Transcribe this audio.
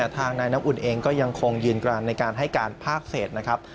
ทางนายน้ำอุ่นเองก็ยังคงยืนกรานในการให้การภาคเศษนะครับ